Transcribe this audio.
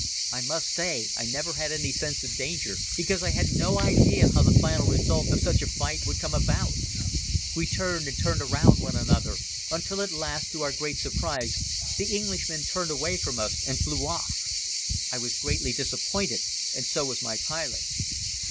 I must say I never had any sense of danger because I had no idea how the final result of such a fight would come about. We turned and turned around one another until at last, to our great surprise the Englishman turned away from us and flew off. I was greatly disappointed and so was my pilot.